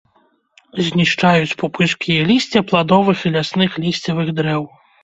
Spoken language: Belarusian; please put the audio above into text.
Знішчаюць пупышкі і лісце пладовых і лясных лісцевых дрэў.